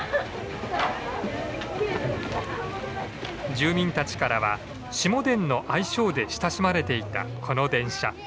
住民たちからは「しもでん」の愛称で親しまれていたこの電車。